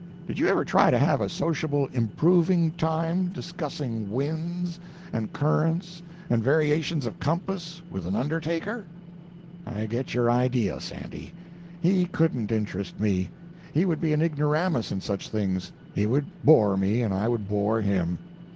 Did you ever try to have a sociable improving time discussing winds, and currents and variations of compass with an undertaker?" "I get your idea, Sandy. He couldn't interest me. He would be an ignoramus in such things—he would bore me, and I would bore him."